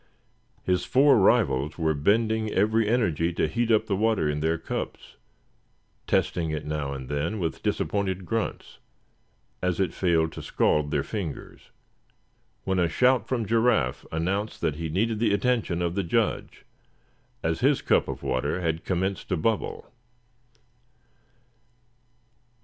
His four rivals were bending every energy to heat up the water in their cups, testing it now and then with disappointed grunts, as it failed to scald their fingers, when a shout from Giraffe announced that he needed the attention of the judge, as his cup of water had commenced to bubble.